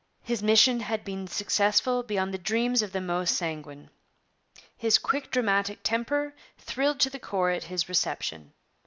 His mission had been successful beyond the dreams of the most sanguine. His quick dramatic temper thrilled to the core at his reception.